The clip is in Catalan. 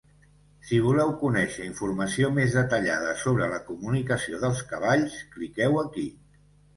Si voleu conèixer informació més detallada sobre la comunicació dels cavalls cliqueu aquí.